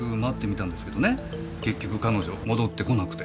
結局彼女戻ってこなくて。